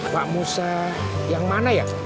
pak musa yang mana ya